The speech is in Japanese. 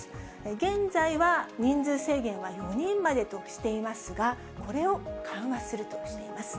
現在は人数制限は４人までとしていますが、これを緩和するとしています。